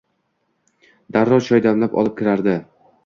Darrov choy damlab, olib kirardi.